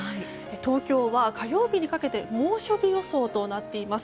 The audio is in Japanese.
東京は火曜日にかけて猛暑日予想となっています。